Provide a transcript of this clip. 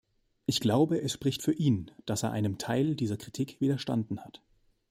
Ich glaube, es spricht für ihn, dass er einem Teil dieser Kritik widerstanden hat.